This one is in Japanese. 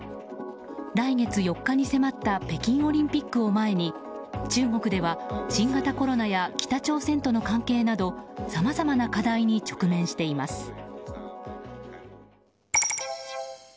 来月４日に迫った北京オリンピックを前に中国では新型コロナや北朝鮮との関係などさまざまな課題に直面しています。